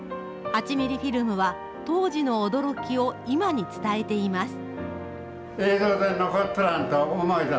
８ミリフィルムは、当時の驚きを今に伝えています。